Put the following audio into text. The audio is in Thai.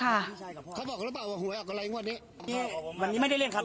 เขาบอกว่าวันนี้ไม่ได้เลี่ยงครับ